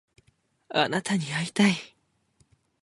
あなたに会いたい